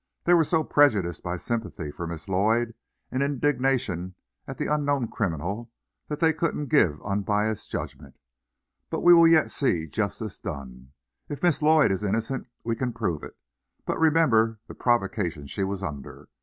They were so prejudiced by sympathy for Miss Lloyd, and indignation at the unknown criminal, that they couldn't give unbiased judgment. But we will yet see justice done. If Miss Lloyd is innocent, we can prove it. But remember the provocation she was under.